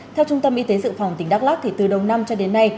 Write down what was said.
theo trung tâm y tế dự phòng tỉnh đắk lắc từ đầu năm cho đến nay